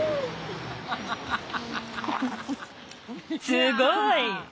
すごい！